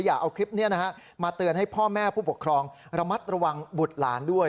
อย่าเอาคลิปนี้มาเตือนให้พ่อแม่ผู้ปกครองระมัดระวังบุตรหลานด้วย